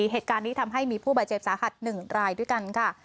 เหตุการณ์นี้ทำให้มีผู้บาดเจ็บสาหัส๑รายด้วยกันค่ะ